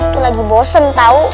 tuh lagi bosan tau